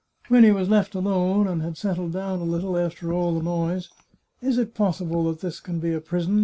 When he was left alone, and had settled down a litCle after all the noise, " Is it possible that this can be a prison